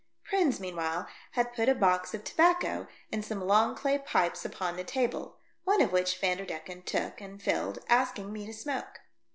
Prins meanwhile had put a box of tobacco and some long clay pipes upon the table, one of which Vanderdecken took and filled, asking me to smoke.